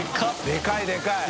でかいでかい！